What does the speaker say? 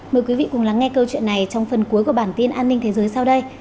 mời quý vị cùng lắng nghe câu chuyện này trong phần cuối của bản tin an ninh thế giới sau đây